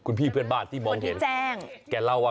เจ้าละเข้เจ้าละเข้น